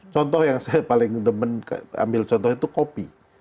contoh yang saya paling demen ambil contoh itu kopi